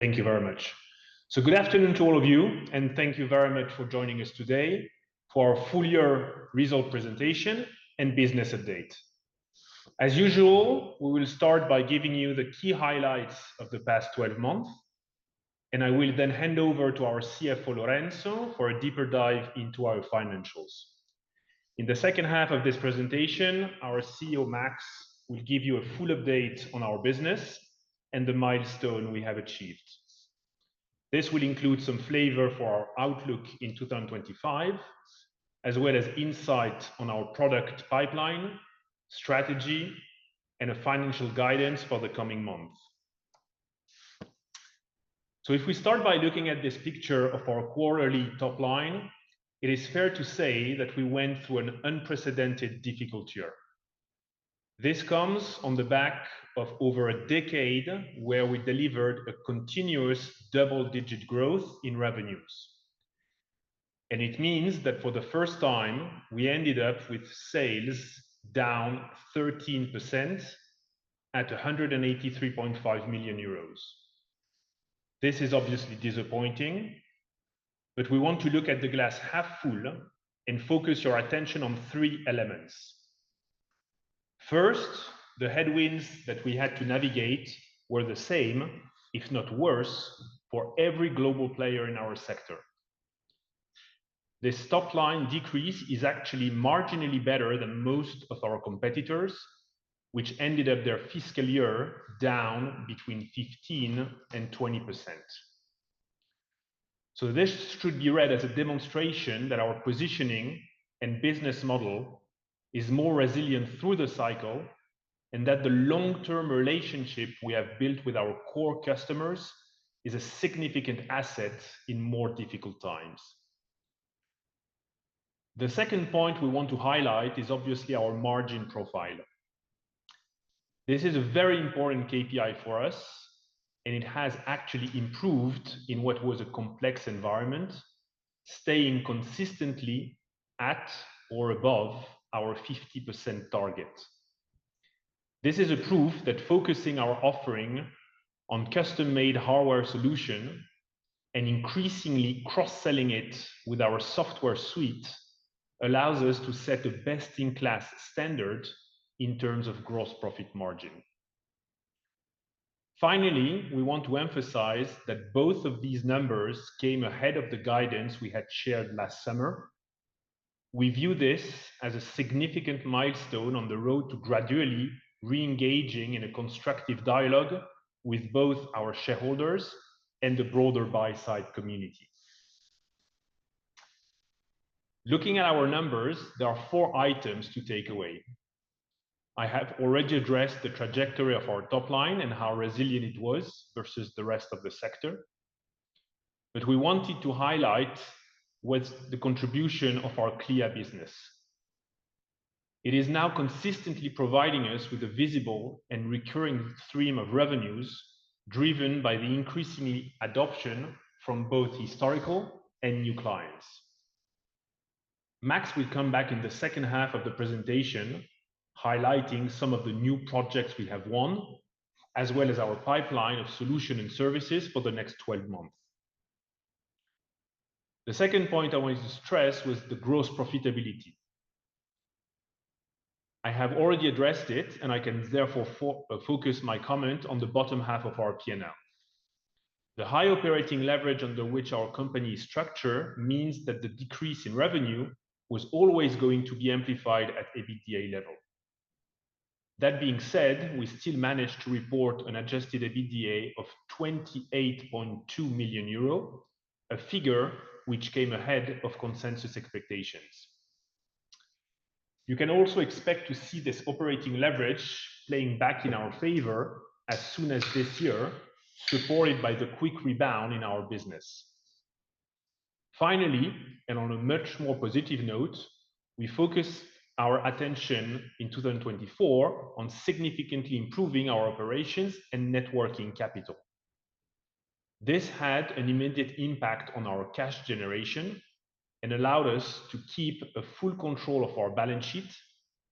Thank you very much. Good afternoon to all of you, and thank you very much for joining us today for our full-year result presentation and business update. As usual, we will start by giving you the key highlights of the past 12 months, and I will then hand over to our CFO, Lorenzo, for a deeper dive into our financials. In the second half of this presentation, our CEO, Max, will give you a full update on our business and the milestone we have achieved. This will include some flavor for our outlook in 2025, as well as insight on our product pipeline, strategy, and financial guidance for the coming months. If we start by looking at this picture of our quarterly top line, it is fair to say that we went through an unprecedented difficult year. This comes on the back of over a decade where we delivered a continuous double-digit growth in revenues. It means that for the first time, we ended up with sales down 13% at 183.5 million euros. This is obviously disappointing, but we want to look at the glass half full and focus your attention on three elements. First, the headwinds that we had to navigate were the same, if not worse, for every global player in our sector. This top line decrease is actually marginally better than most of our competitors, which ended up their fiscal year down between 15% and 20%. This should be read as a demonstration that our positioning and business model is more resilient through the cycle, and that the long-term relationship we have built with our core customers is a significant asset in more difficult times. The second point we want to highlight is obviously our margin profile. This is a very important KPI for us, and it has actually improved in what was a complex environment, staying consistently at or above our 50% target. This is a proof that focusing our offering on custom-made hardware solutions and increasingly cross-selling it with our software suite allows us to set the best-in-class standard in terms of gross profit margin. Finally, we want to emphasize that both of these numbers came ahead of the guidance we had shared last summer. We view this as a significant milestone on the road to gradually re-engaging in a constructive dialogue with both our shareholders and the broader buy-side community. Looking at our numbers, there are four items to take away. I have already addressed the trajectory of our top line and how resilient it was versus the rest of the sector, but we wanted to highlight the contribution of our Clea business. It is now consistently providing us with a visible and recurring stream of revenues driven by the increasing adoption from both historical and new clients. Max will come back in the second half of the presentation highlighting some of the new projects we have won, as well as our pipeline of solutions and services for the next 12 months. The second point I wanted to stress was the gross profitability. I have already addressed it, and I can therefore focus my comment on the bottom half of our P&L. The high operating leverage under which our company is structured means that the decrease in revenue was always going to be amplified at EBITDA level. That being said, we still managed to report an adjusted EBITDA of 28.2 million euro, a figure which came ahead of consensus expectations. You can also expect to see this operating leverage playing back in our favor as soon as this year, supported by the quick rebound in our business. Finally, and on a much more positive note, we focused our attention in 2024 on significantly improving our operations and networking capital. This had an immediate impact on our cash generation and allowed us to keep full control of our balance sheet,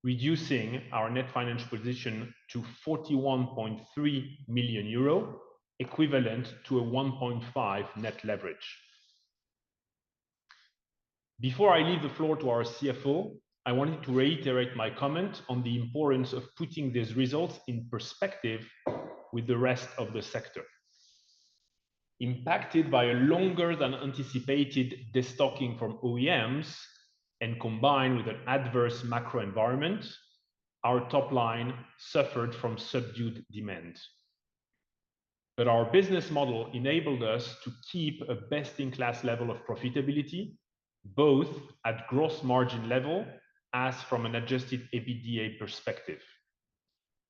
reducing our net financial position to 41.3 million euro, equivalent to a 1.5 net leverage. Before I leave the floor to our CFO, I wanted to reiterate my comment on the importance of putting these results in perspective with the rest of the sector. Impacted by a longer-than-anticipated destocking from OEMs and combined with an adverse macro environment, our top line suffered from subdued demand. Our business model enabled us to keep a best-in-class level of profitability, both at gross margin level as from an adjusted EBITDA perspective.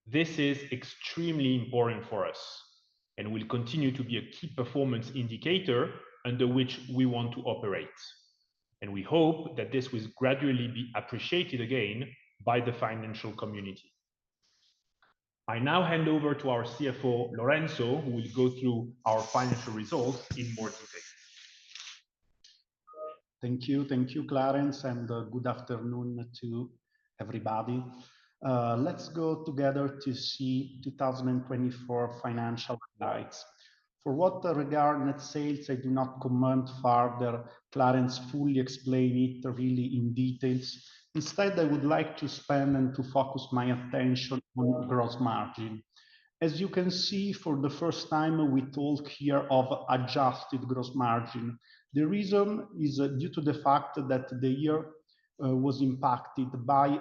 This is extremely important for us and will continue to be a key performance indicator under which we want to operate. We hope that this will gradually be appreciated again by the financial community. I now hand over to our CFO, Lorenzo, who will go through our financial results in more detail. Thank you. Thank you, Clarence, and good afternoon to everybody. Let's go together to see 2024 financial highlights. For what regard net sales, I do not comment further. Clarence fully explained it really in details. Instead, I would like to spend and to focus my attention on gross margin. As you can see, for the first time, we talk here of adjusted gross margin. The reason is due to the fact that the year was impacted by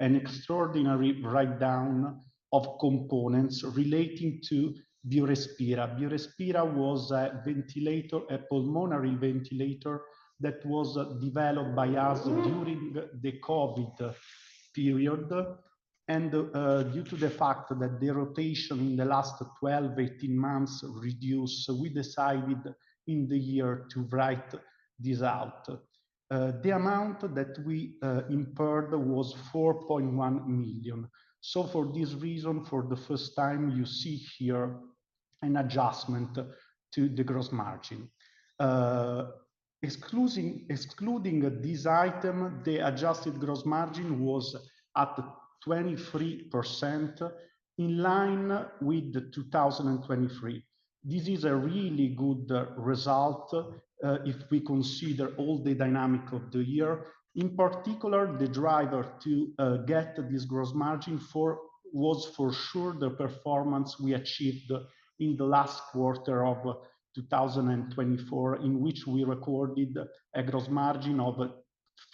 an extraordinary breakdown of components relating to BioRespira. BioRespira was a ventilator, a pulmonary ventilator that was developed by us during the COVID period. Due to the fact that the rotation in the last 12-18 months reduced, we decided in the year to write this out. The amount that we incurred was 4.1 million. For this reason, for the first time, you see here an adjustment to the gross margin. Excluding this item, the adjusted gross margin was at 23% in line with 2023. This is a really good result if we consider all the dynamic of the year. In particular, the driver to get this gross margin was for sure the performance we achieved in the last quarter of 2024, in which we recorded a gross margin of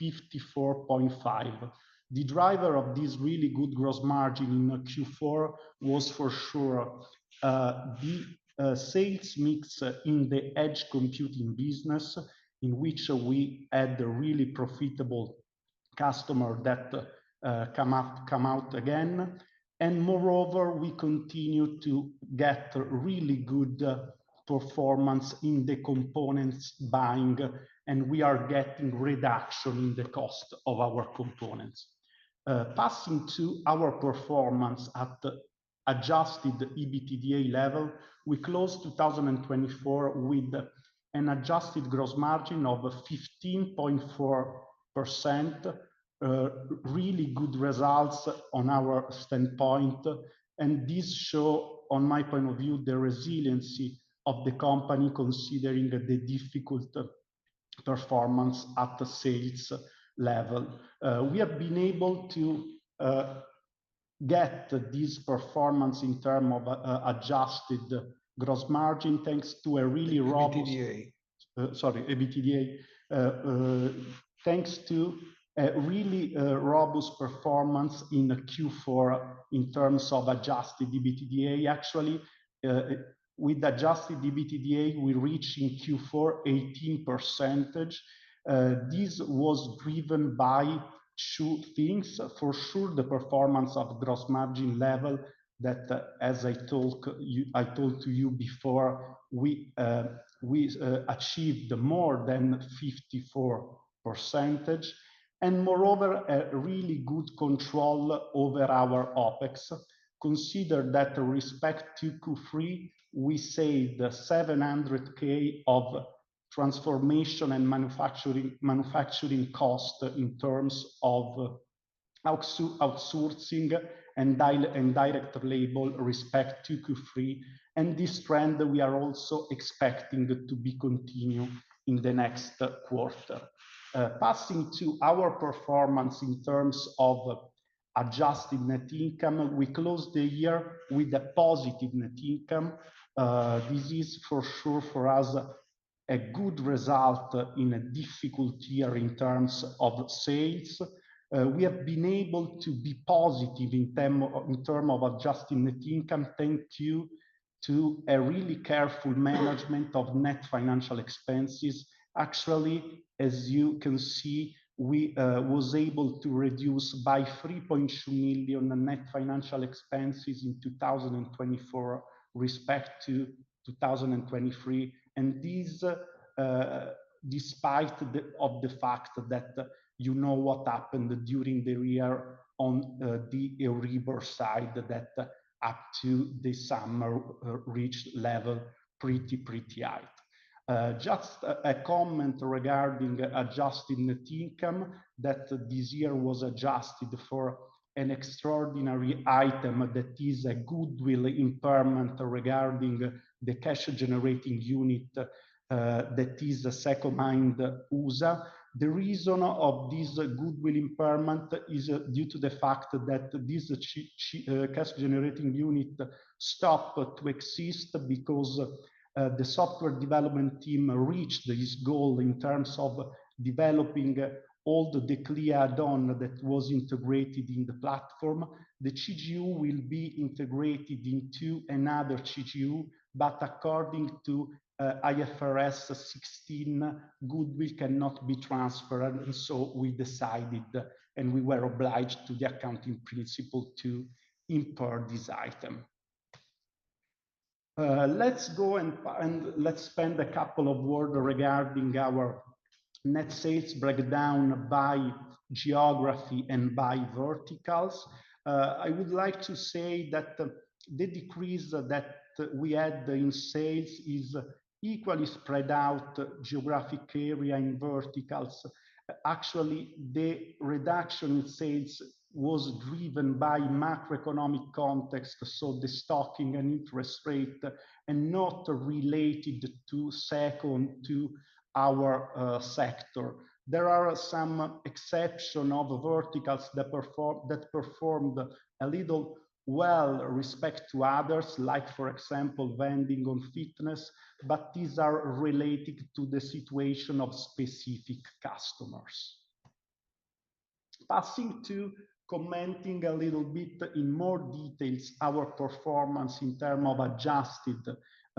54.5%. The driver of this really good gross margin in Q4 was for sure the sales mix in the edge computing business, in which we had a really profitable customer that came out again. Moreover, we continue to get really good performance in the components buying, and we are getting reduction in the cost of our components. Passing to our performance at adjusted EBITDA level, we closed 2024 with an adjusted gross margin of 15.4%. Really good results on our standpoint. This show, on my point of view, the resiliency of the company considering the difficult performance at the sales level. We have been able to get this performance in terms of adjusted gross margin thanks to a really robust. EBITDA. Sorry, EBITDA. Thanks to a really robust performance in Q4 in terms of adjusted EBITDA. Actually, with adjusted EBITDA, we reached in Q4 18%. This was driven by two things. For sure, the performance of gross margin level that, as I told you before, we achieved more than 54%. Moreover, a really good control over our OpEx. Consider that respect to Q3, we saved 700,000 of transformation and manufacturing cost in terms of outsourcing and direct labor respect to Q3. This trend we are also expecting to be continued in the next quarter. Passing to our performance in terms of adjusted net income, we closed the year with a positive net income. This is for sure for us a good result in a difficult year in terms of sales. We have been able to be positive in terms of adjusted net income thanks to a really careful management of net financial expenses. Actually, as you can see, we were able to reduce by 3.2 million net financial expenses in 2024 respect to 2023. This, despite the fact that you know what happened during the year on the reverse side, that up to the summer reached level pretty, pretty high. Just a comment regarding adjusted net income that this year was adjusted for an extraordinary item that is a goodwill impairment regarding the cash generating unit that is a second line user. The reason of this goodwill impairment is due to the fact that this cash generating unit stopped to exist because the software development team reached this goal in terms of developing all the Clea add-on that was integrated in the platform. The CGU will be integrated into another CGU, but according to IFRS 16, goodwill cannot be transferred. We decided and we were obliged to the accounting principle to import this item. Let's go and let's spend a couple of words regarding our net sales breakdown by geography and by verticals. I would like to say that the decrease that we had in sales is equally spread out geographic area in verticals. Actually, the reduction in sales was driven by macroeconomic context, so destocking and interest rate and not related to our sector. There are some exceptions of verticals that performed a little well respect to others, like for example, vending on fitness, but these are related to the situation of specific customers. Passing to commenting a little bit in more detail, our performance in terms of adjusted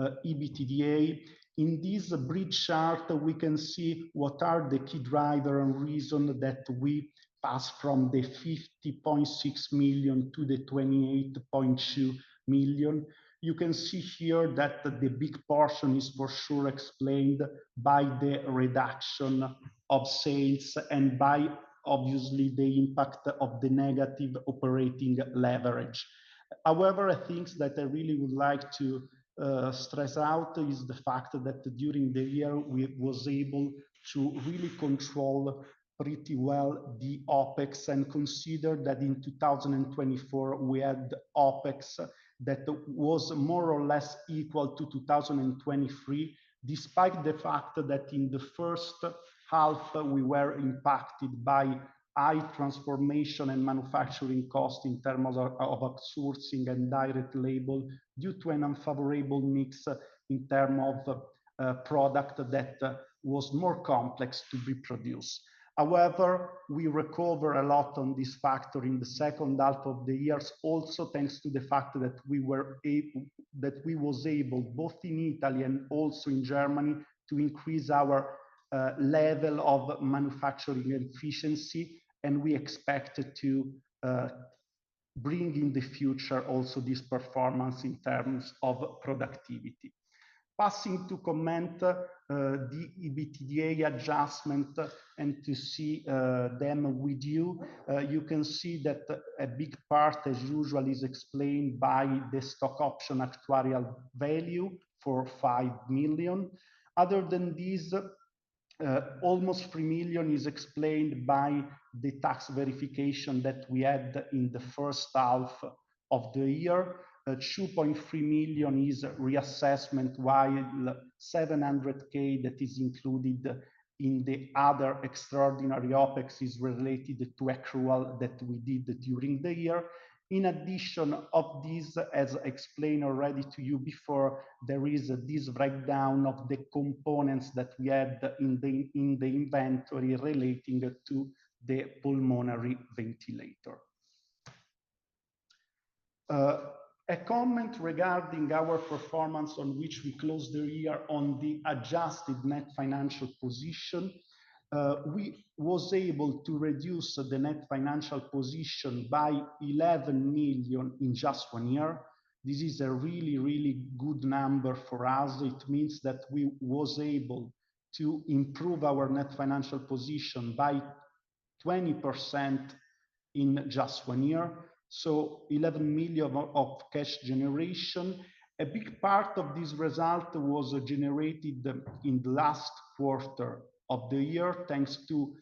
EBITDA. In this bridge chart, we can see what are the key drivers and reasons that we passed from 50.6 million to 28.2 million. You can see here that the big portion is for sure explained by the reduction of sales and by obviously the impact of the negative operating leverage. However, things that I really would like to stress out is the fact that during the year we were able to really control pretty well the OpEx and consider that in 2024 we had OpEx that was more or less equal to 2023, despite the fact that in the first half we were impacted by high transformation and manufacturing cost in terms of outsourcing and direct labor due to an unfavorable mix in terms of product that was more complex to be produced. However, we recovered a lot on this factor in the second half of the year also thanks to the fact that we were able both in Italy and also in Germany to increase our level of manufacturing efficiency. We expect to bring in the future also this performance in terms of productivity. Passing to comment the EBITDA adjustment and to see them with you, you can see that a big part as usual is explained by the stock option actuarial value for 5 million. Other than this, almost 3 million is explained by the tax verification that we had in the first half of the year. 2.3 million is reassessment while 700,000 that is included in the other extraordinary OPEX is related to accruals that we did during the year. In addition to this, as explained already to you before, there is this breakdown of the components that we had in the inventory relating to the pulmonary ventilator. A comment regarding our performance on which we closed the year on the adjusted net financial position. We were able to reduce the net financial position by 11 million in just one year. This is a really, really good number for us. It means that we were able to improve our net financial position by 20% in just one year. 11 million of cash generation. A big part of this result was generated in the last quarter of the year thanks to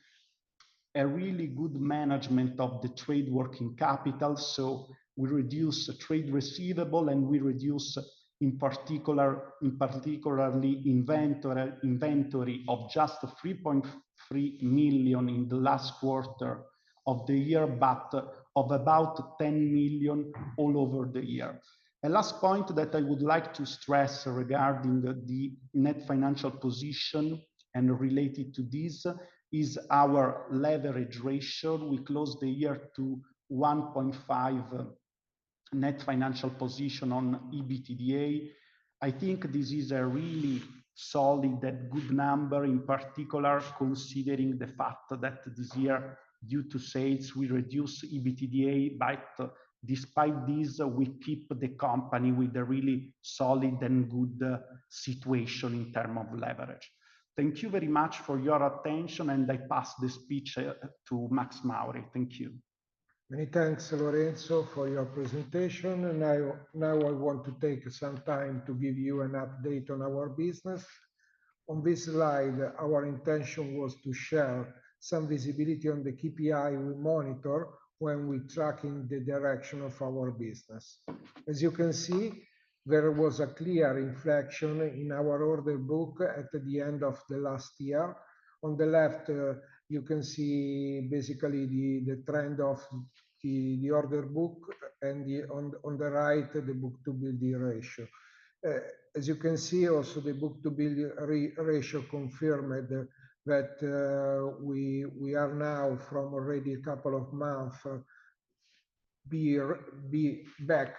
a really good management of the trade working capital. We reduced trade receivable and we reduced in particular inventory of just 3.3 million in the last quarter of the year, but of about 10 million all over the year. A last point that I would like to stress regarding the net financial position and related to this is our leverage ratio. We closed the year to 1.5 net financial position on EBITDA. I think this is a really solid and good number in particular considering the fact that this year due to sales we reduced EBITDA, but despite this we keep the company with a really solid and good situation in terms of leverage. Thank you very much for your attention and I pass the speech to Massimo Mauri. Thank you. Many thanks, Lorenzo, for your presentation. Now I want to take some time to give you an update on our business. On this slide, our intention was to share some visibility on the KPI we monitor when we track the direction of our business. As you can see, there was a clear inflection in our order book at the end of the last year. On the left, you can see basically the trend of the order book and on the right, the book-to-bill ratio. As you can see, also the book-to-bill ratio confirmed that we are now from already a couple of months back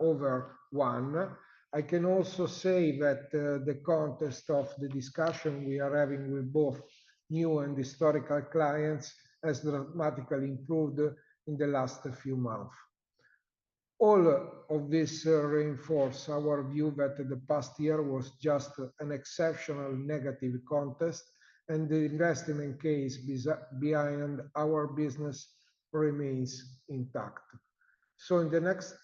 over one. I can also say that the context of the discussion we are having with both new and historical clients has dramatically improved in the last few months. All of this reinforces our view that the past year was just an exceptional negative context and the investment case behind our business remains intact. In the next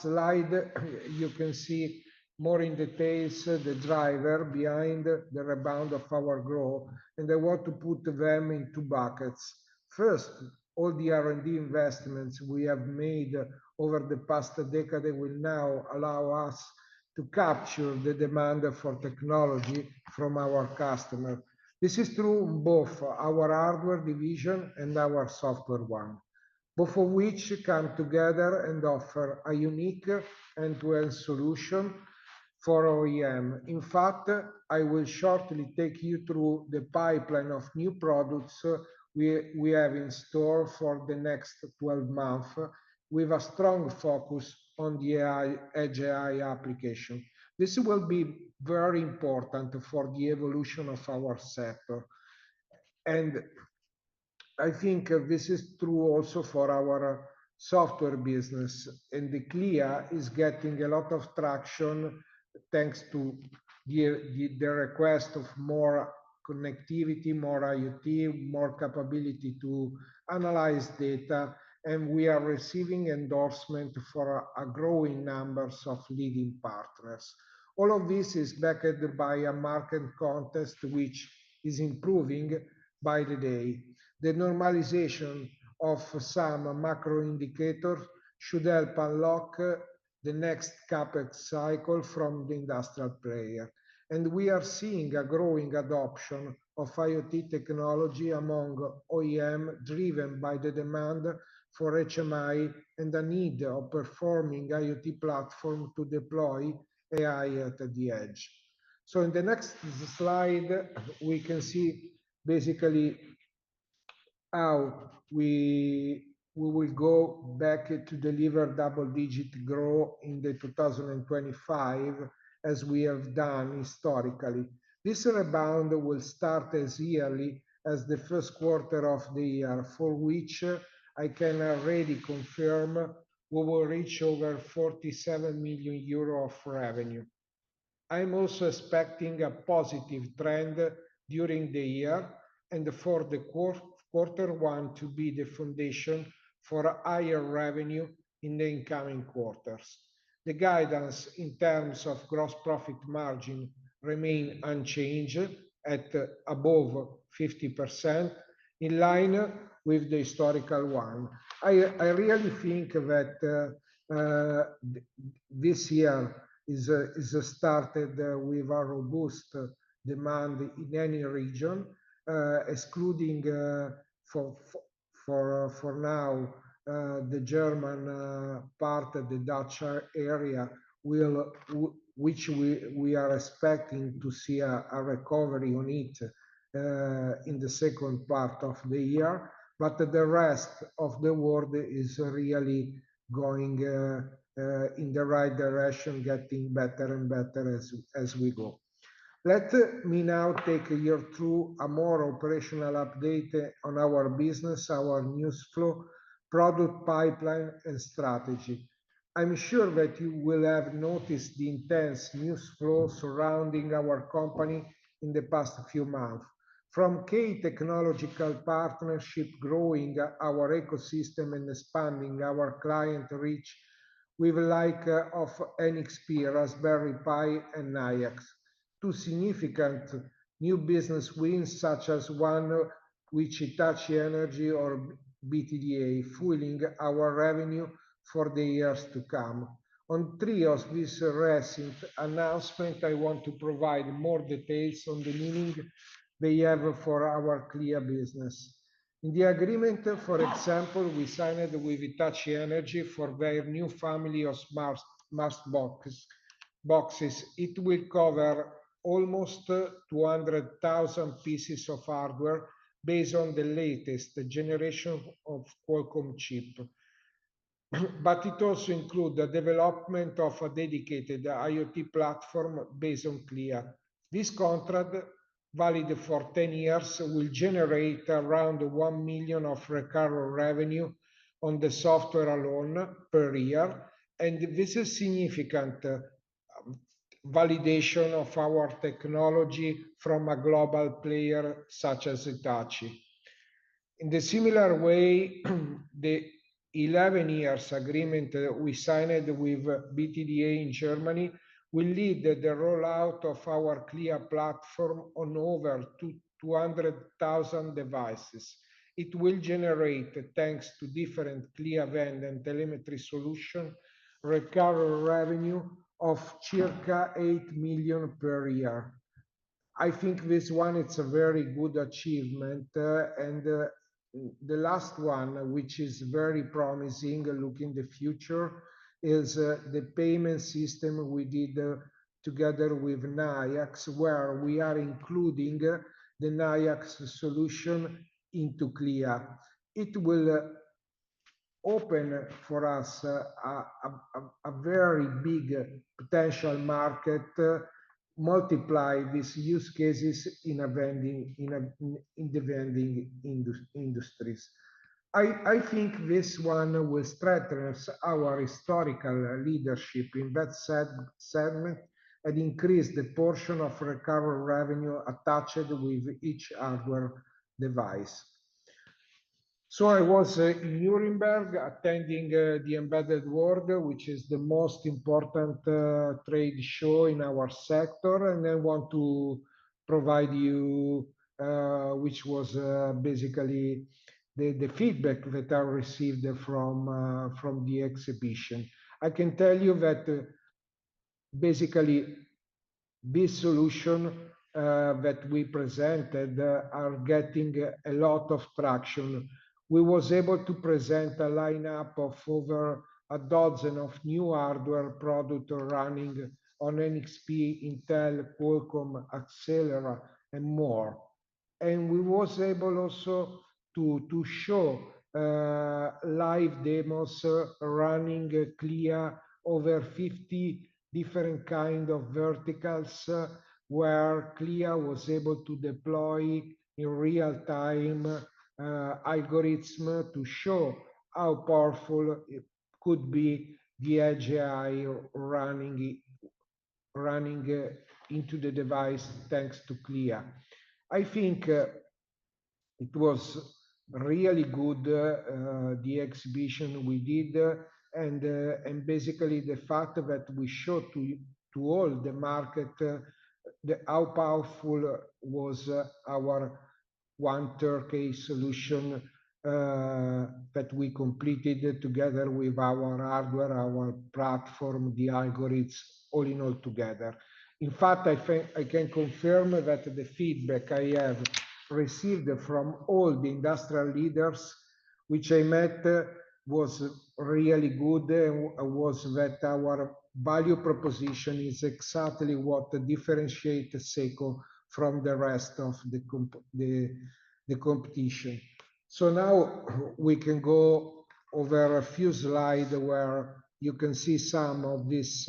slide, you can see more in detail the driver behind the rebound of our growth. I want to put them into buckets. First, all the R&D investments we have made over the past decade will now allow us to capture the demand for technology from our customers. This is true in both our hardware division and our software one, both of which come together and offer a unique end-to-end solution for OEM. In fact, I will shortly take you through the pipeline of new products we have in store for the next 12 months with a strong focus on the edge AI application. This will be very important for the evolution of our sector. I think this is true also for our software business. The Clea is getting a lot of traction thanks to the request of more connectivity, more IoT, more capability to analyze data. We are receiving endorsement for a growing number of leading partners. All of this is backed by a market context which is improving by the day. The normalization of some macro indicators should help unlock the next CapEx cycle from the industrial player. We are seeing a growing adoption of IoT technology among OEM driven by the demand for HMI and the need of performing IoT platform to deploy AI at the edge. In the next slide, we can see basically how we will go back to deliver double-digit growth in 2025 as we have done historically. This rebound will start as early as the first quarter of the year for which I can already confirm we will reach over 47 million euro of revenue. I'm also expecting a positive trend during the year and for the quarter one to be the foundation for higher revenue in the incoming quarters. The guidance in terms of gross profit margin remains unchanged at above 50% in line with the historical one. I really think that this year is started with a robust demand in any region, excluding for now the German part of the DACH area which we are expecting to see a recovery on it in the second part of the year. The rest of the world is really going in the right direction, getting better and better as we go. Let me now take you through a more operational update on our business, our news flow, product pipeline, and strategy. I'm sure that you will have noticed the intense news flow surrounding our company in the past few months. From key technological partnership growing our ecosystem and expanding our client reach with like of NXP, Raspberry Pi, and Nayax to significant new business wins such as one with Hitachi Energy or BTDA fueling our revenue for the years to come. On trios with recent announcement, I want to provide more details on the meaning they have for our Clea business. In the agreement, for example, we signed with Hitachi Energy for their new family of mast boxes. It will cover almost 200,000 pieces of hardware based on the latest generation of Qualcomm chip. It also includes the development of a dedicated IoT platform based on Clea. This contract, valid for 10 years, will generate around 1 million of recurring revenue on the software alone per year. This is significant validation of our technology from a global player such as Hitachi Energy. In a similar way, the 11-year agreement we signed with BTDA in Germany will lead the rollout of our Clea platform on over 200,000 devices. It will generate, thanks to different Clea vending telemetry solutions, recurring revenue of circa 8 million per year. I think this one is a very good achievement. The last one, which is very promising looking in the future, is the payment system we did together with Nayax, where we are including the Nayax solution into Clea. It will open for us a very big potential market, multiply these use cases in the vending industries. I think this one will strengthen our historical leadership in that segment and increase the portion of recurring revenue attached with each hardware device. I was in Nuremberg attending the Embedded World, which is the most important trade show in our sector. I want to provide you, which was basically the feedback that I received from the exhibition. I can tell you that basically this solution that we presented is getting a lot of traction. We were able to present a lineup of over a dozen new hardware products running on NXP, Axelera, and more. We were able also to show live demos running Clea over 50 different kinds of verticals where Clea was able to deploy in real-time algorithms to show how powerful it could be, the edge AI running into the device thanks to Clea. I think it was really good, the exhibition we did. Basically, the fact that we showed to all the market how powerful was our one-turnkey solution that we completed together with our hardware, our platform, the algorithms, all in all together. In fact, I can confirm that the feedback I have received from all the industrial leaders which I met was really good and was that our value proposition is exactly what differentiates SECO from the rest of the competition. Now we can go over a few slides where you can see some of this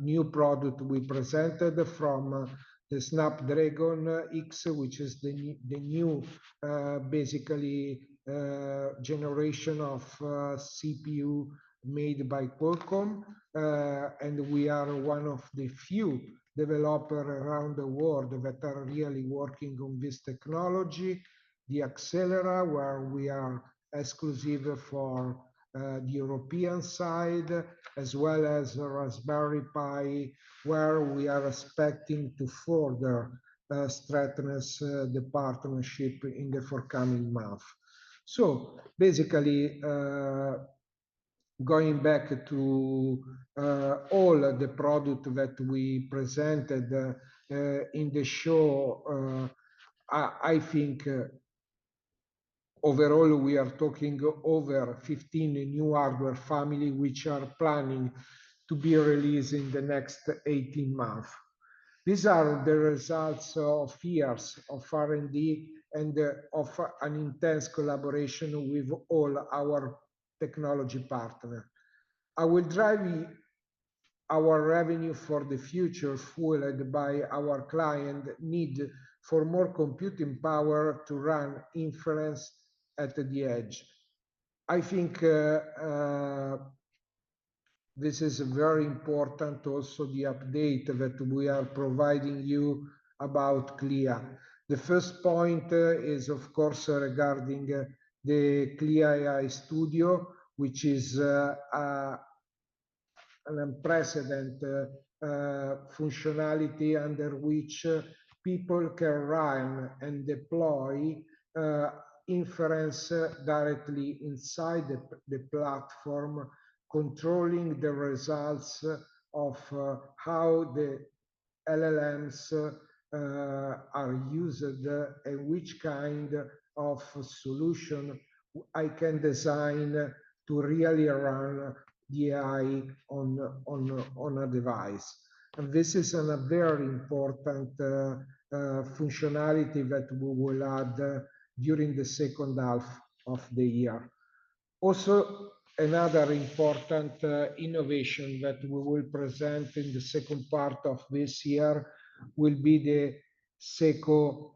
new product we presented from the Snapdragon X, which is the new basically generation of CPU made by Qualcomm. We are one of the few developers around the world that are really working on this technology. The Axelera, where we are exclusive for the European side, as well as Raspberry Pi, where we are expecting to further strengthen the partnership in the forthcoming months. Basically, going back to all of the products that we presented in the show, I think overall we are talking over 15 new hardware families which are planning to be released in the next 18 months. These are the results of years of R&D and of an intense collaboration with all our technology partners. It will drive our revenue for the future fueled by our client need for more computing power to run inference at the edge. I think this is very important, also the update that we are providing you about Clea. The first point is of course regarding the Clea AI Studio, which is an unprecedented functionality under which people can run and deploy inference directly inside the platform, controlling the results of how the LLMs are used and which kind of solution I can design to really run the AI on a device. This is a very important functionality that we will add during the second half of the year. Also, another important innovation that we will present in the second part of this year will be the SECO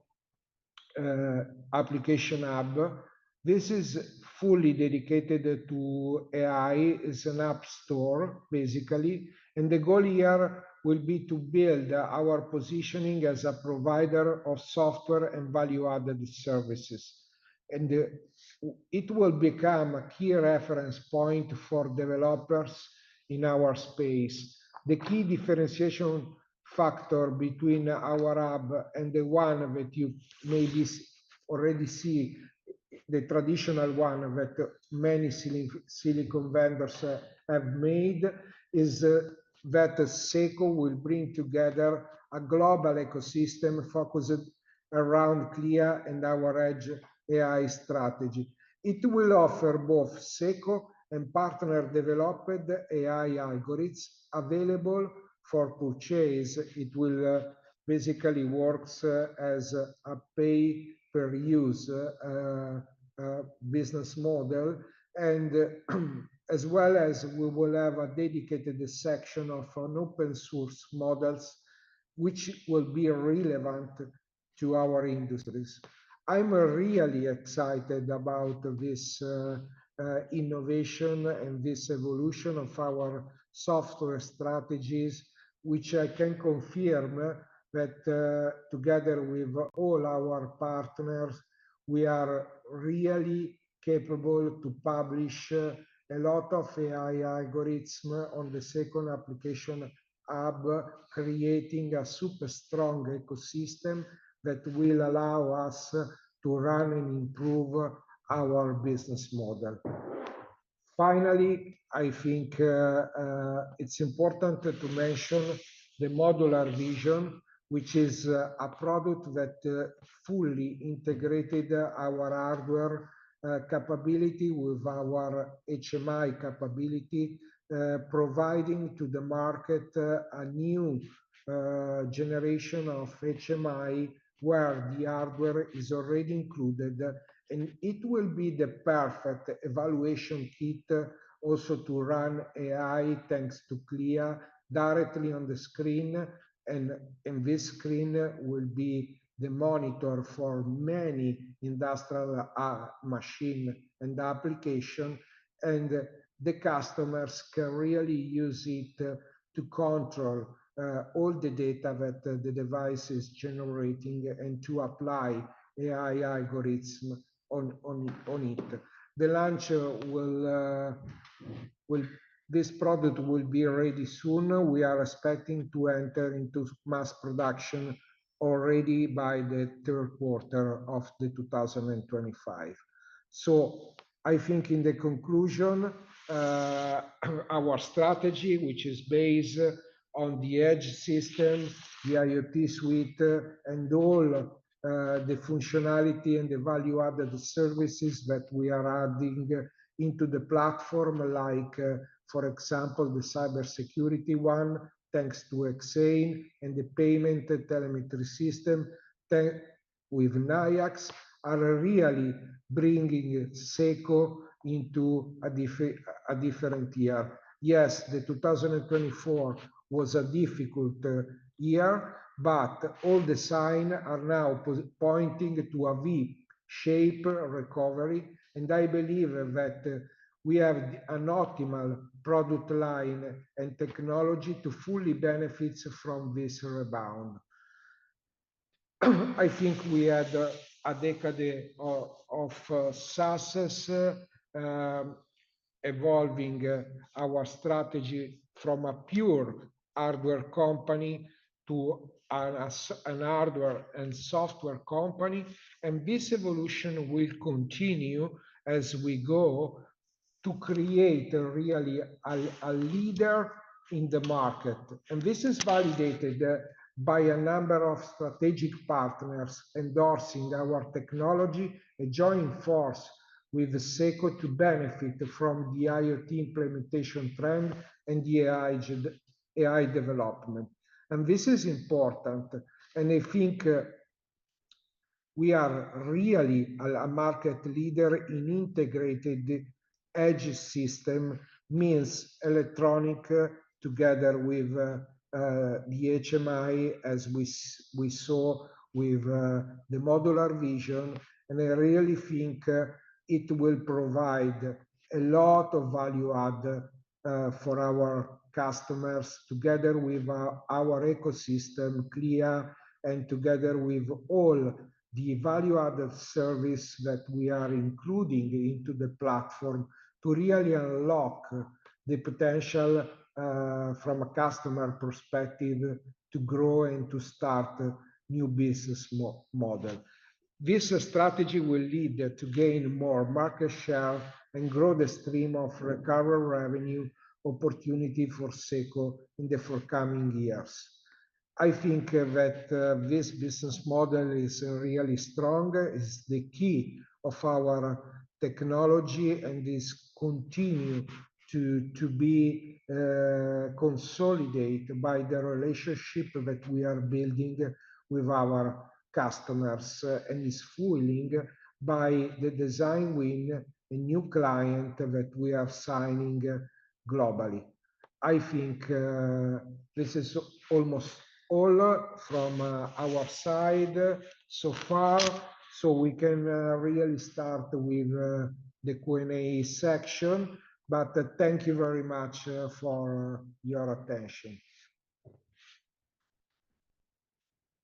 Application Hub. This is fully dedicated to AI, is an app store basically. The goal here will be to build our positioning as a provider of software and value-added services. It will become a key reference point for developers in our space. The key differentiation factor between our hub and the one that you maybe already see, the traditional one that many silicon vendors have made, is that SECO will bring together a global ecosystem focused around Clea and our edge AI strategy. It will offer both SECO and partner developed AI algorithms available for purchase. It will basically work as a pay-per-use business model. As well as we will have a dedicated section of open-source models which will be relevant to our industries. I'm really excited about this innovation and this evolution of our software strategies, which I can confirm that together with all our partners, we are really capable to publish a lot of AI algorithms on the SECO Application Hub, creating a super strong ecosystem that will allow us to run and improve our business model. Finally, I think it's important to mention the Modular Vision, which is a product that fully integrated our hardware capability with our HMI capability, providing to the market a new generation of HMI where the hardware is already included. It will be the perfect evaluation kit also to run AI thanks to Clea directly on the screen. This screen will be the monitor for many industrial machines and applications. The customers can really use it to control all the data that the device is generating and to apply AI algorithms on it. The launch will, this product will be ready soon. We are expecting to enter into mass production already by the third quarter of 2025. I think in the conclusion, our strategy, which is based on the edge system, the IoT suite, and all the functionality and the value-added services that we are adding into the platform, like for example, the cybersecurity one thanks to Enein and the payment telemetry system with Nayax, are really bringing SECO into a different year. Yes, 2024 was a difficult year, but all the signs are now pointing to a V-shape recovery. I believe that we have an optimal product line and technology to fully benefit from this rebound. I think we had a decade of success evolving our strategy from a pure hardware company to a hardware and software company. This evolution will continue as we go to create really a leader in the market. This is validated by a number of strategic partners endorsing our technology and joining force with SECO to benefit from the IoT implementation trend and the AI development. This is important. I think we are really a market leader in integrated edge system, means electronic together with the HMI, as we saw with the Modular Vision. I really think it will provide a lot of value-added for our customers together with our ecosystem, Clea, and together with all the value-added service that we are including into the platform to really unlock the potential from a customer perspective to grow and to start a new business model. This strategy will lead to gain more market share and grow the stream of recurring revenue opportunity for SECO in the forecoming years. I think that this business model is really strong. It's the key of our technology and is continuing to be consolidated by the relationship that we are building with our customers and is fueled by the design win and new client that we are signing globally. I think this is almost all from our side so far. We can really start with the Q&A section. Thank you very much for your attention.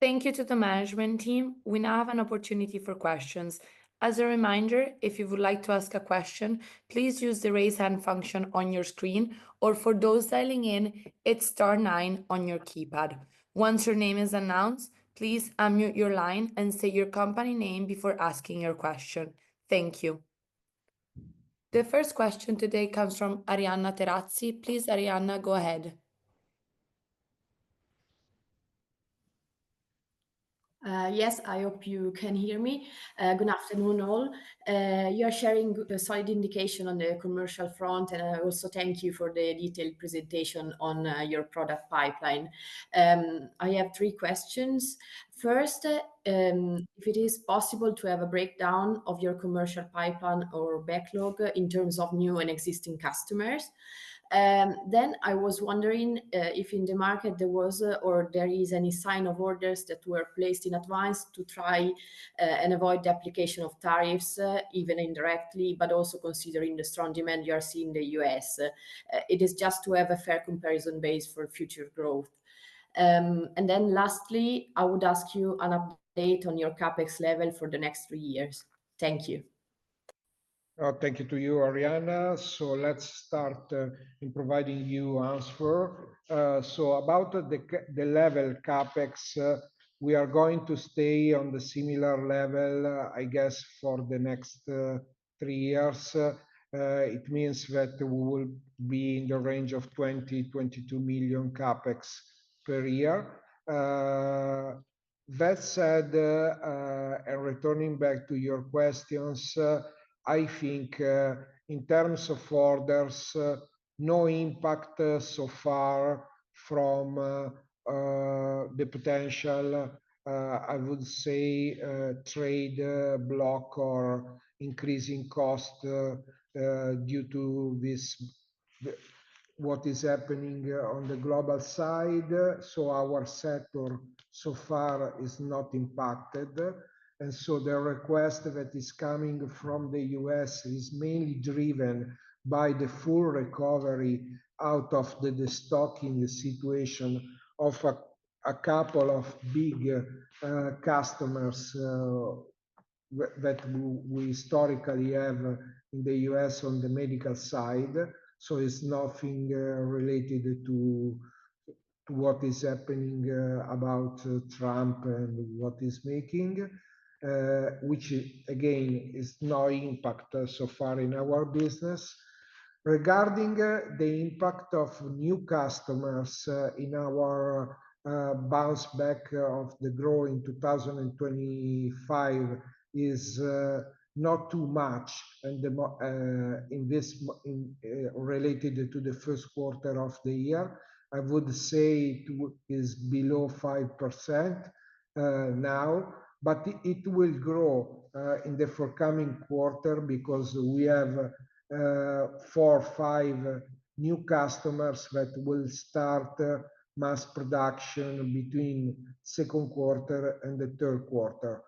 Thank you to the management team. We now have an opportunity for questions. As a reminder, if you would like to ask a question, please use the raise hand function on your screen. For those dialing in, hit star nine on your keypad. Once your name is announced, please unmute your line and say your company name before asking your question. Thank you. The first question today comes from Arianna Terazzi. Please, Arianna, go ahead. Yes, I hope you can hear me. Good afternoon, all. You are sharing a solid indication on the commercial front. I also thank you for the detailed presentation on your product pipeline. I have three questions. First, if it is possible to have a breakdown of your commercial pipeline or backlog in terms of new and existing customers. I was wondering if in the market there was or there is any sign of orders that were placed in advance to try and avoid the application of tariffs, even indirectly, but also considering the strong demand you are seeing in the U.S. It is just to have a fair comparison base for future growth. Lastly, I would ask you an update on your CapEx level for the next three years. Thank you. Thank you to you, Arianna. Let's start in providing you answer. About the level of CapEx, we are going to stay on a similar level, I guess, for the next three years. It means that we will be in the range of 20-22 million CapEx per year. That said, and returning back to your questions, I think in terms of orders, no impact so far from the potential, I would say, trade block or increasing cost due to what is happening on the global side. Our sector so far is not impacted. The request that is coming from the U.S. is mainly driven by the full recovery out of the stocking situation of a couple of big customers that we historically have in the U.S. on the medical side. It is nothing related to what is happening about Trump and what he is making, which again is no impact so far in our business. Regarding the impact of new customers in our bounce back of the grow in 2025 is not too much. In this related to the first quarter of the year, I would say it is below 5% now, but it will grow in the forthcoming quarter because we have four, five new customers that will start mass production between second quarter and the third quarter.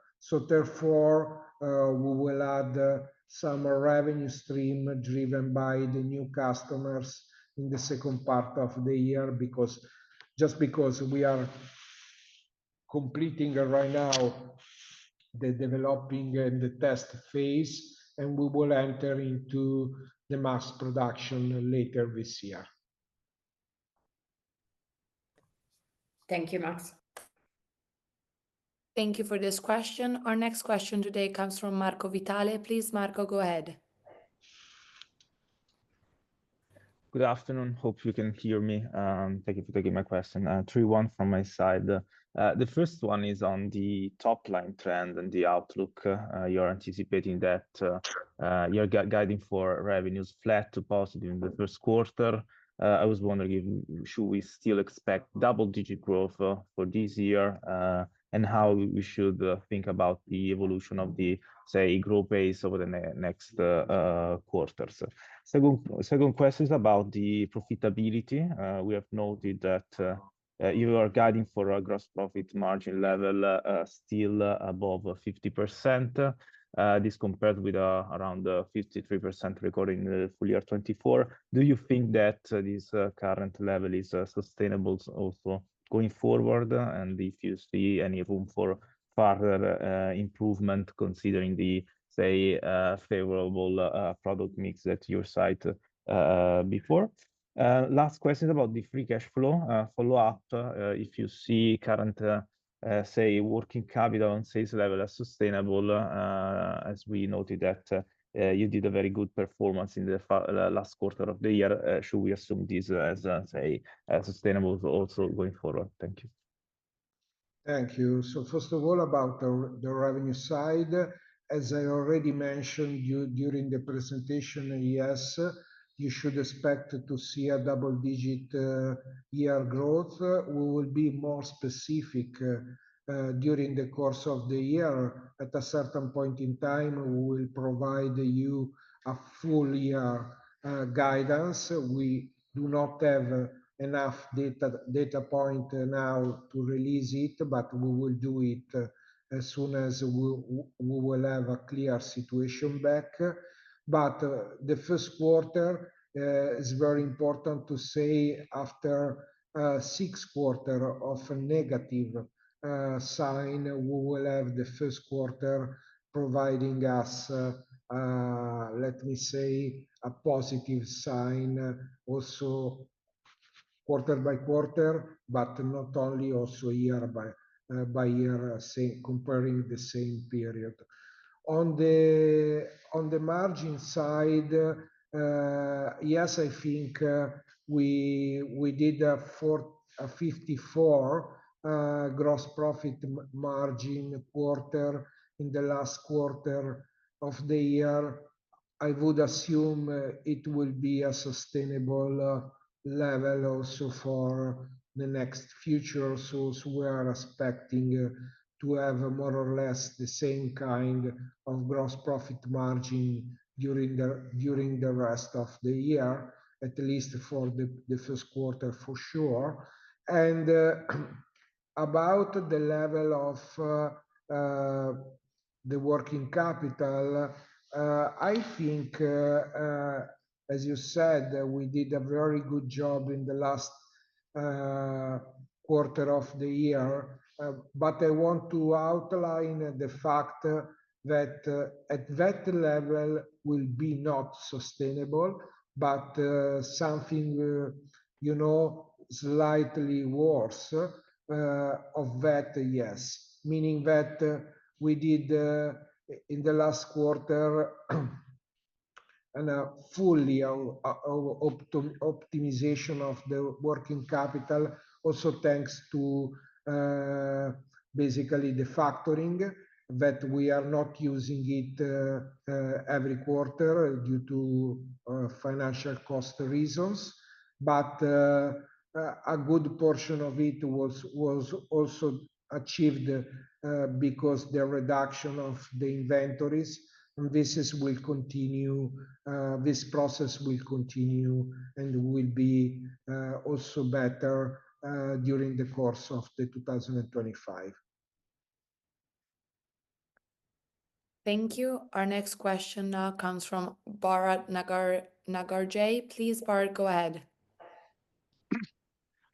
Therefore, we will add some revenue stream driven by the new customers in the second part of the year just because we are completing right now the developing and the test phase, and we will enter into the mass production later this year. Thank you, Max. Thank you for this question. Our next question today comes from Marco Vitale. Please, Marco, go ahead. Good afternoon. Hope you can hear me. Thank you for taking my question. Three one from my side. The first one is on the top line trend and the outlook. You're anticipating that you're guiding for revenues flat to positive in the first quarter. I was wondering, should we still expect double-digit growth for this year and how we should think about the evolution of the, say, growth base over the next quarters? Second question is about the profitability. We have noted that you are guiding for a gross profit margin level still above 50%. This compared with around 53% recorded in the full year 2024. Do you think that this current level is sustainable also going forward? If you see any room for further improvement considering the, say, favorable product mix at your site before? Last question is about the free cash flow follow-up. If you see current, say, working capital on sales level as sustainable, as we noted that you did a very good performance in the last quarter of the year, should we assume this as, say, sustainable also going forward? Thank you. Thank you. First of all, about the revenue side, as I already mentioned during the presentation, yes, you should expect to see a double-digit year growth. We will be more specific during the course of the year. At a certain point in time, we will provide you a full year guidance. We do not have enough data point now to release it, but we will do it as soon as we will have a clear situation back. The first quarter is very important to say after six quarters of a negative sign, we will have the first quarter providing us, let me say, a positive sign also quarter by quarter, but not only also year by year, comparing the same period. On the margin side, yes, I think we did a 54% gross profit margin quarter in the last quarter of the year. I would assume it will be a sustainable level also for the next future. We are expecting to have more or less the same kind of gross profit margin during the rest of the year, at least for the first quarter for sure. About the level of the working capital, I think, as you said, we did a very good job in the last quarter of the year. I want to outline the fact that at that level will be not sustainable, but something slightly worse of that, yes. Meaning that we did in the last quarter a fully optimization of the working capital also thanks to basically the factoring that we are not using it every quarter due to financial cost reasons. A good portion of it was also achieved because the reduction of the inventories and this will continue. This process will continue and will be also better during the course of 2025. Thank you. Our next question now comes from Bharath Nagaraj. Please, Bharath, go ahead.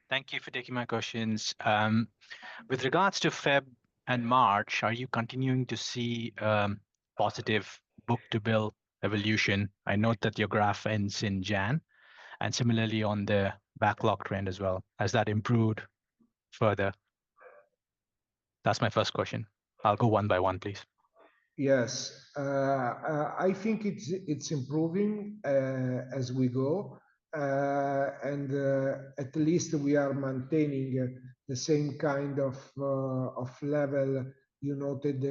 Thank you for taking my questions. With regards to February and March, are you continuing to see positive book-to-bill evolution? I note that your graph ends in January. Similarly on the backlog trend as well. Has that improved further? That is my first question. I'll go one by one, please. Yes. I think it's improving as we go. At least we are maintaining the same kind of level you noted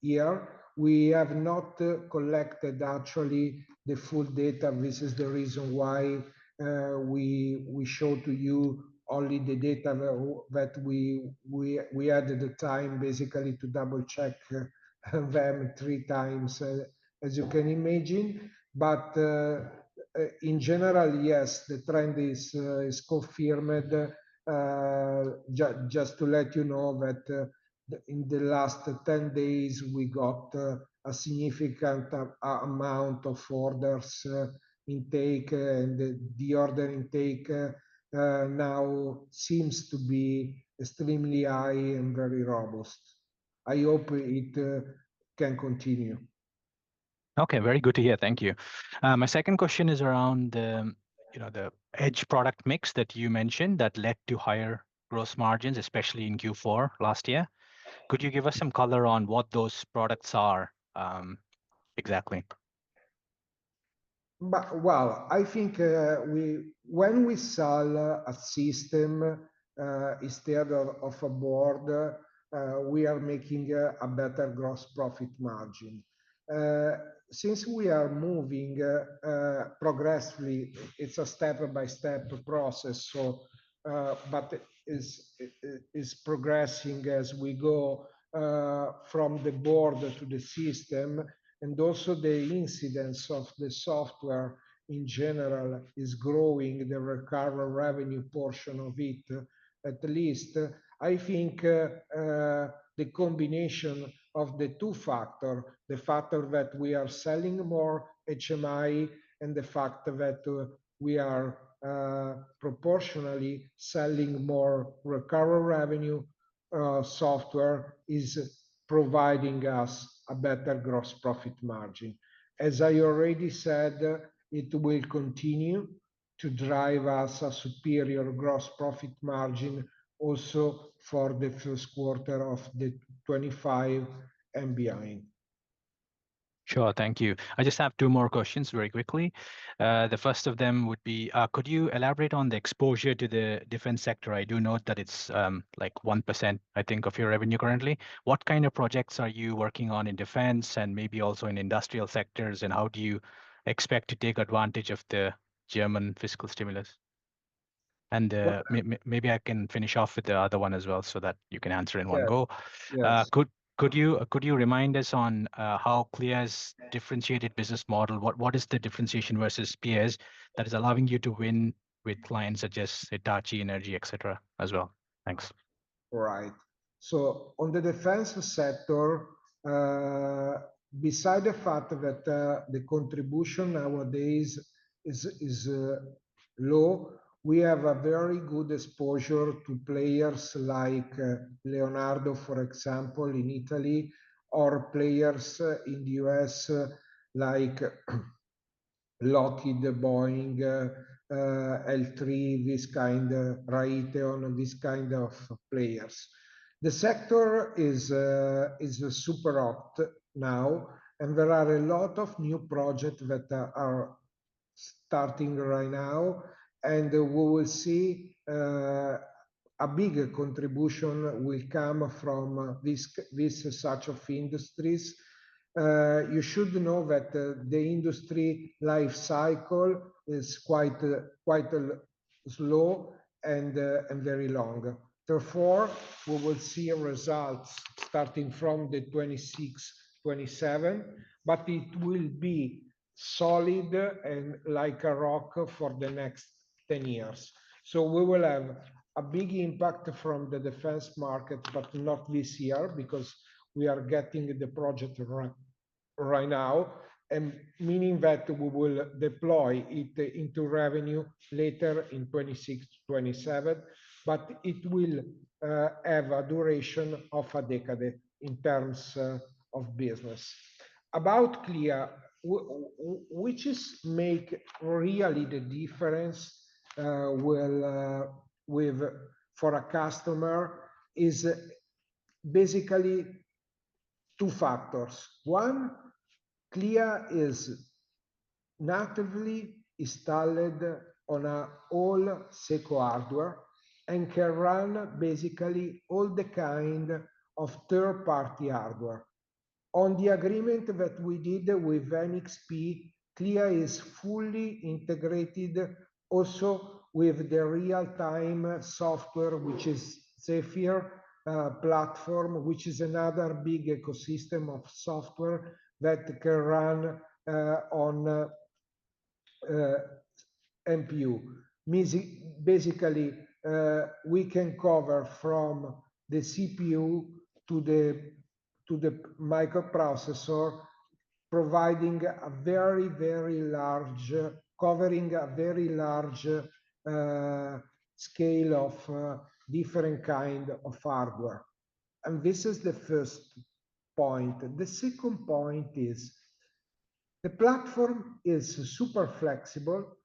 here. We have not collected actually the full data. This is the reason why we showed to you only the data that we added at the time basically to double-check them three times, as you can imagine. In general, yes, the trend is confirmed. Just to let you know that in the last 10 days, we got a significant amount of orders intake and the order intake now seems to be extremely high and very robust. I hope it can continue. Okay. Very good to hear. Thank you. My second question is around the edge product mix that you mentioned that led to higher gross margins, especially in Q4 last year. Could you give us some color on what those products are exactly? I think when we sell a system instead of a board, we are making a better gross profit margin. Since we are moving progressively, it's a step-by-step process. It is progressing as we go from the board to the system. Also, the incidence of the software in general is growing, the recurring revenue portion of it, at least. I think the combination of the two factors, the fact that we are selling more HMI and the fact that we are proportionally selling more recurring revenue software is providing us a better gross profit margin. As I already said, it will continue to drive us a superior gross profit margin also for the first quarter of 2025 and beyond. Sure. Thank you. I just have two more questions very quickly. The first of them would be, could you elaborate on the exposure to the defense sector? I do note that it's like 1%, I think, of your revenue currently. What kind of projects are you working on in defense and maybe also in industrial sectors? How do you expect to take advantage of the German fiscal stimulus? Maybe I can finish off with the other one as well so that you can answer in one go. Could you remind us on how Clea is differentiated business model? What is the differentiation versus peers that is allowing you to win with clients such as Hitachi Energy, etc. as well? Thanks. Right. On the defense sector, beside the fact that the contribution nowadays is low, we have a very good exposure to players like Leonardo, for example, in Italy, or players in the U.S. like Lockheed Martin, Boeing, L3Harris, Raytheon Technologies, this kind of players. The sector is super hot now, and there are a lot of new projects that are starting right now. We will see a big contribution will come from such industries. You should know that the industry life cycle is quite slow and very long. Therefore, we will see results starting from 2026, 2027, but it will be solid and like a rock for the next 10 years. We will have a big impact from the defense market, but not this year because we are getting the project right now, meaning that we will deploy it into revenue later in 2026, 2027, but it will have a duration of a decade in terms of business. About Clea, which really makes the difference for a customer, it is basically two factors. One, Clea is natively installed on all SECO hardware and can run basically all kinds of third-party hardware. On the agreement that we did with NXP, Clea is fully integrated also with the real-time software, which is Zephyr platform, which is another big ecosystem of software that can run on NPU. Basically, we can cover from the CPU to the microprocessor, providing a very, very large, covering a very large scale of different kinds of hardware. This is the first point. The second point is the platform is super flexible.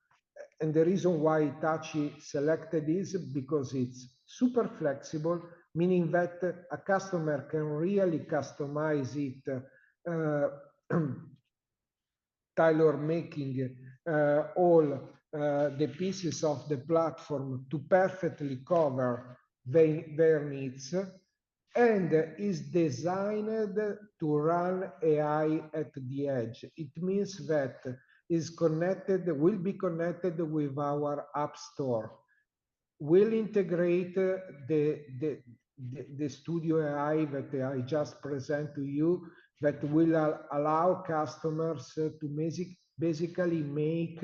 The reason why Hitachi selected it is because it's super flexible, meaning that a customer can really customize it, tailor-making all the pieces of the platform to perfectly cover their needs. It's designed to run AI at the edge. It means that it will be connected with our app store. We'll integrate the Studio AI that I just presented to you that will allow customers to basically make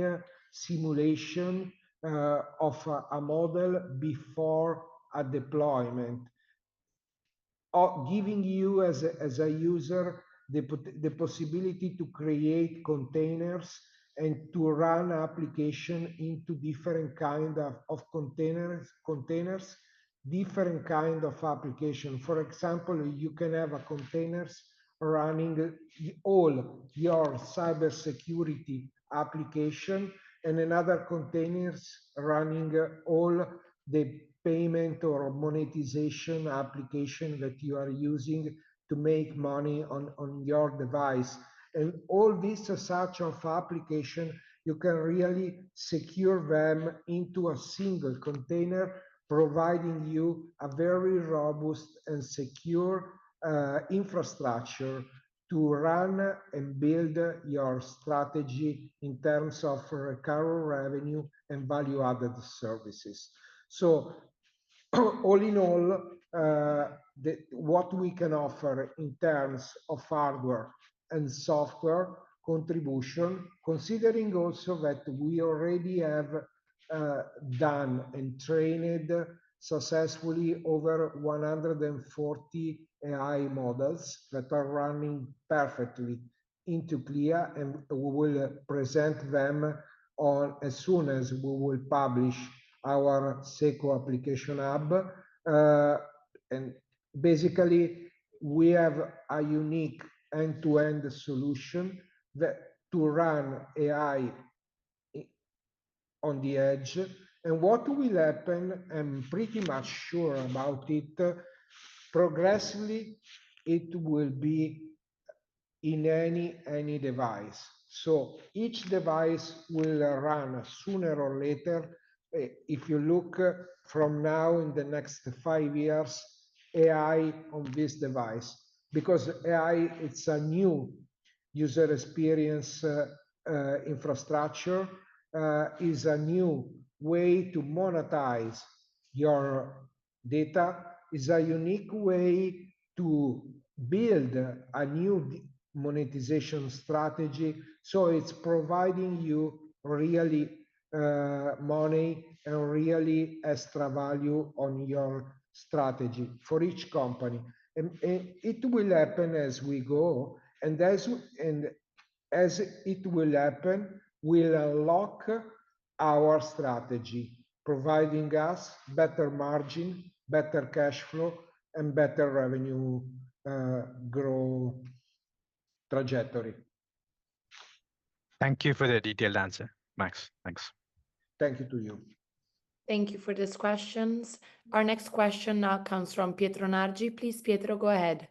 simulation of a model before a deployment, giving you as a user the possibility to create containers and to run applications into different kinds of containers, different kinds of applications. For example, you can have containers running all your cybersecurity applications and another containers running all the payment or monetization applications that you are using to make money on your device. All these sorts of applications, you can really secure them into a single container, providing you a very robust and secure infrastructure to run and build your strategy in terms of recurring revenue and value-added services. All in all, what we can offer in terms of hardware and software contribution, considering also that we already have done and trained successfully over 140 AI models that are running perfectly into Clea, and we will present them as soon as we will publish our SECO Application Hub. Basically, we have a unique end-to-end solution to run AI on the edge. What will happen, I'm pretty much sure about it, progressively, it will be in any device. Each device will run sooner or later. If you look from now in the next five years, AI on this device, because AI, it's a new user experience infrastructure, is a new way to monetize your data, is a unique way to build a new monetization strategy. It is providing you really money and really extra value on your strategy for each company. It will happen as we go. As it will happen, we'll unlock our strategy, providing us better margin, better cash flow, and better revenue growth trajectory. Thank you for the detailed answer, Max. Thanks. Thank you to you. Thank you for these questions. Our next question now comes from Pietro Nargi. Please, Pietro, go ahead.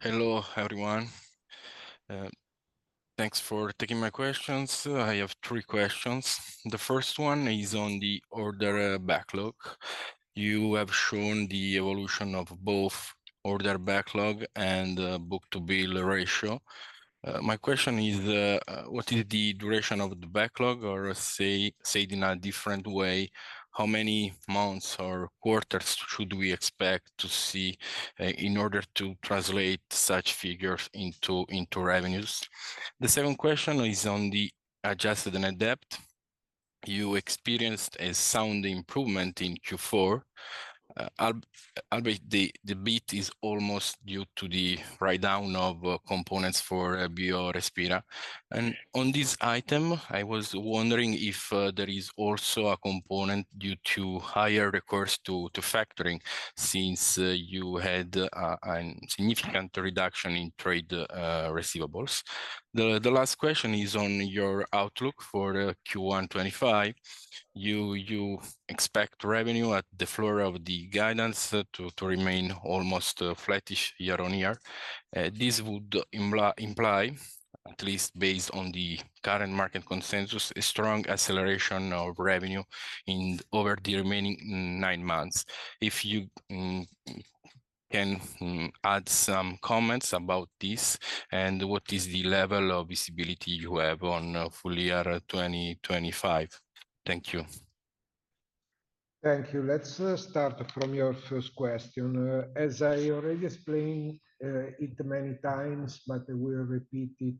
Hello everyone. Thanks for taking my questions. I have three questions. The first one is on the order backlog. You have shown the evolution of both order backlog and book-to-bill ratio. My question is, what is the duration of the backlog, or say it in a different way, how many months or quarters should we expect to see in order to translate such figures into revenues? The second question is on the adjusted EBITDA. You experienced a sound improvement in Q4. The EBITDA is almost due to the write-down of components for BioRespira. On this item, I was wondering if there is also a component due to higher recurrence to factoring since you had a significant reduction in trade receivables. The last question is on your outlook for Q1 2025. You expect revenue at the floor of the guidance to remain almost flattish year on year. This would imply, at least based on the current market consensus, a strong acceleration of revenue over the remaining nine months. If you can add some comments about this and what is the level of visibility you have on full year 2025. Thank you. Thank you. Let's start from your first question. As I already explained it many times, but I'll repeat it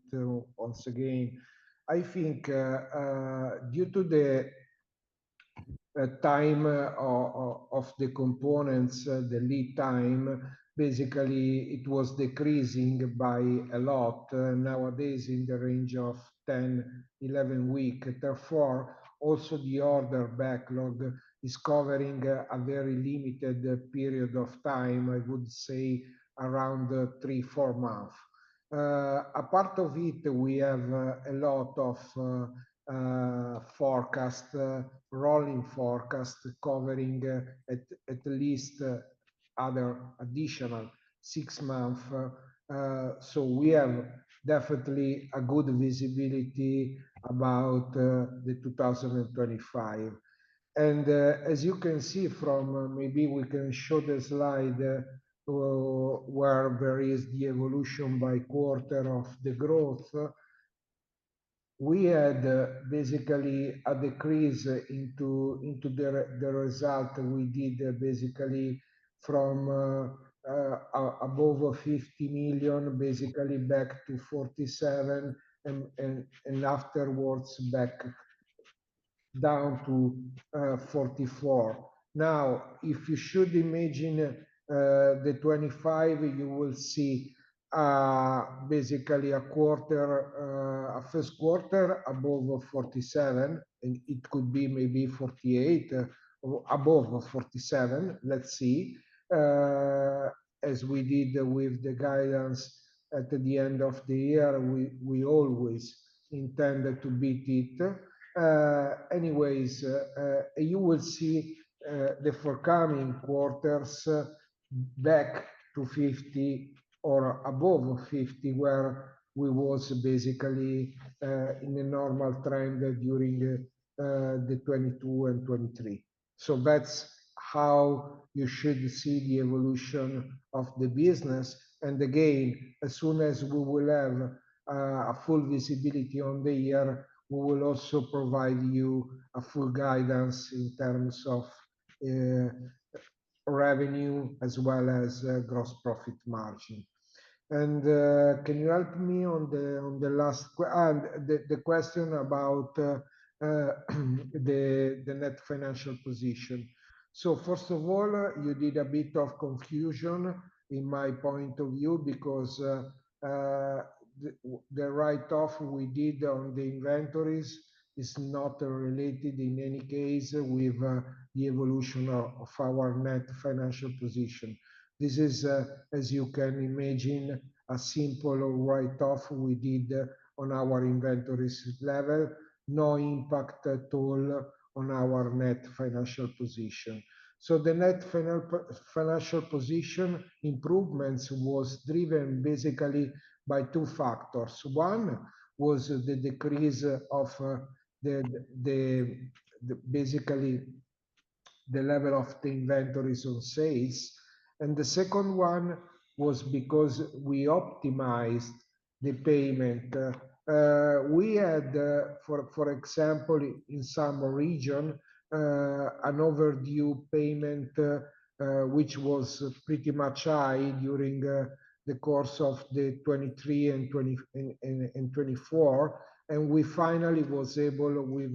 once again. I think due to the time of the components, the lead time, basically, it was decreasing by a lot. Nowadays, in the range of 10-11 weeks. Therefore, also the order backlog is covering a very limited period of time, I would say around three-four months. Apart from it, we have a lot of forecasts, rolling forecasts covering at least other additional six months. We have definitely a good visibility about the 2025. As you can see from maybe we can show the slide where there is the evolution by quarter of the growth. We had basically a decrease into the result we did basically from above 50 million, basically back to 47 million, and afterwards back down to 44 million. Now, if you should imagine the 2025, you will see basically a quarter, a first quarter above 47 million, and it could be maybe 48 million, above 47 million, let's see. As we did with the guidance at the end of the year, we always intended to beat it. Anyways, you will see the forecoming quarters back to 50 million or above 50 million, where we were basically in a normal trend during the 2022 and 2023. That is how you should see the evolution of the business. Again, as soon as we will have full visibility on the year, we will also provide you a full guidance in terms of revenue as well as gross profit margin. Can you help me on the last question, the question about the net financial position? First of all, you did a bit of confusion in my point of view because the write-off we did on the inventories is not related in any case with the evolution of our net financial position. This is, as you can imagine, a simple write-off we did on our inventories level, no impact at all on our net financial position. The net financial position improvements were driven basically by two factors. One was the decrease of basically the level of the inventories on sales. The second one was because we optimized the payment. We had, for example, in some region, an overdue payment, which was pretty much high during the course of 2023 and 2024. We finally were able with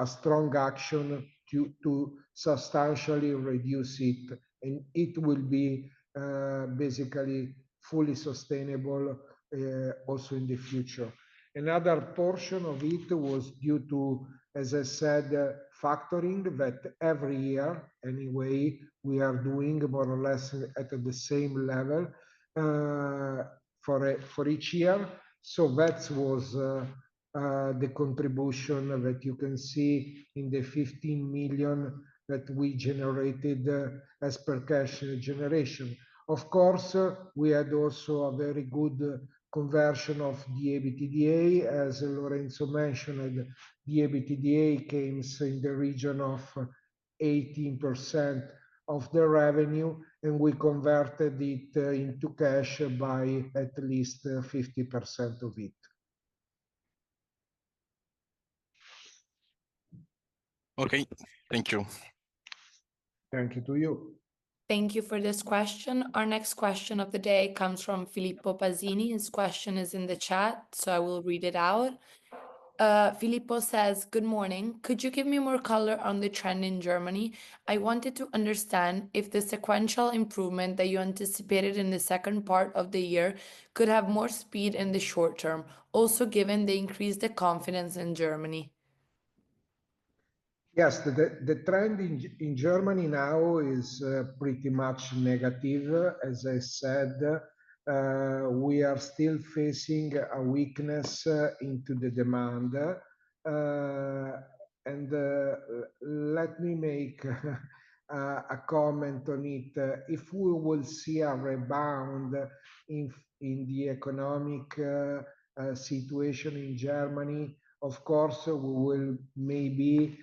a strong action to substantially reduce it. It will be basically fully sustainable also in the future. Another portion of it was due to, as I said, factoring that every year, anyway, we are doing more or less at the same level for each year. That was the contribution that you can see in the 15 million that we generated as per cash generation. Of course, we had also a very good conversion of the EBITDA. As Lorenzo mentioned, the EBITDA came in the region of 18% of the revenue, and we converted it into cash by at least 50% of it. Okay. Thank you. Thank you to you. Thank you for this question. Our next question of the day comes from Filippo Pazzini. His question is in the chat, so I will read it out. Filippo says, "Good morning. Could you give me more color on the trend in Germany? I wanted to understand if the sequential improvement that you anticipated in the second part of the year could have more speed in the short term, also given the increased confidence in Germany. Yes. The trend in Germany now is pretty much negative. As I said, we are still facing a weakness into the demand. Let me make a comment on it. If we will see a rebound in the economic situation in Germany, of course, we will maybe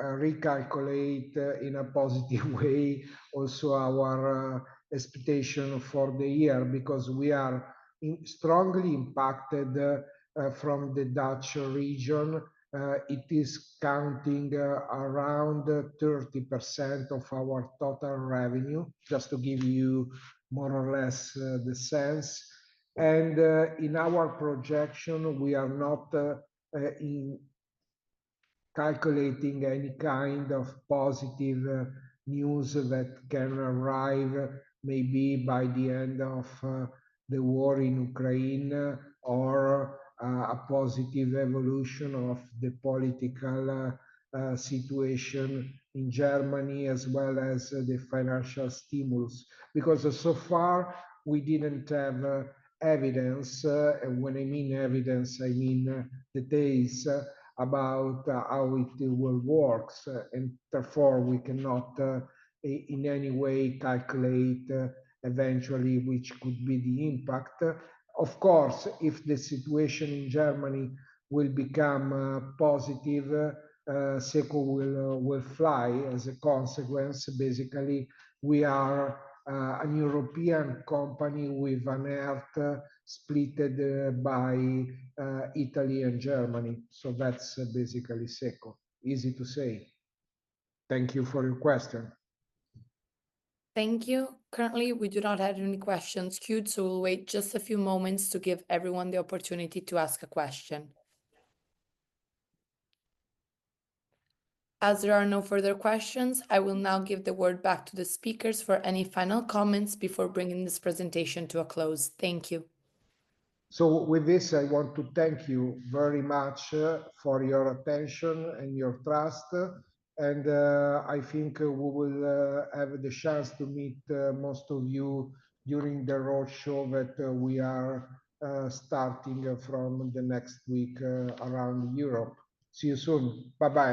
recalculate in a positive way also our expectation for the year because we are strongly impacted from the DACH region. It is counting around 30% of our total revenue, just to give you more or less the sense. In our projection, we are not calculating any kind of positive news that can arrive maybe by the end of the war in Ukraine or a positive evolution of the political situation in Germany as well as the financial stimulus. Because so far, we did not have evidence. When I mean evidence, I mean the days about how it will work. Therefore, we cannot in any way calculate eventually which could be the impact. Of course, if the situation in Germany will become positive, SECO will fly as a consequence. Basically, we are a European company split by Italy and Germany. That is basically SECO. Easy to say. Thank you for your question. Thank you. Currently, we do not have any questions queued, so we will wait just a few moments to give everyone the opportunity to ask a question. As there are no further questions, I will now give the word back to the speakers for any final comments before bringing this presentation to a close. Thank you. With this, I want to thank you very much for your attention and your trust. I think we will have the chance to meet most of you during the roadshow that we are starting from next week around Europe. See you soon. Bye-bye.